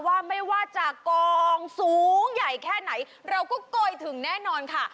ว่าไม่ว่าจากกองสูงใหญ่แค่ไหนเราก็โกยถึงแน่นอนค่ะ